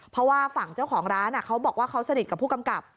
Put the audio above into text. เพราะว่าฝั่งเจ้าของร้านเขาบอกว่าเขาสนิทกับผู้กำกับ